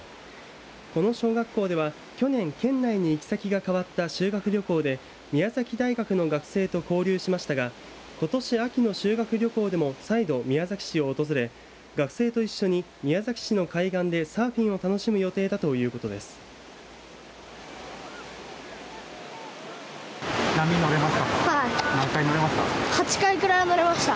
この小学校では去年県内に行き先が変わった修学旅行で宮崎大学の学生と交流しましたがことし秋の修学旅行でも再度、宮崎市を訪れ学生と一緒に宮崎市の海岸でサーフィンを楽しむ予定だということです。